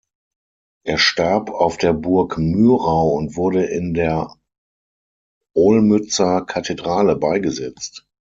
Er starb auf der Burg Mürau und wurde in der Olmützer Kathedrale beigesetzt.